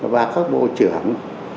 và các bộ trưởng